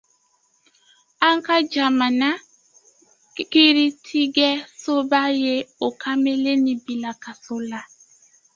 An ka jamana kiritigɛsoba ye o kamalennin bila kaso la.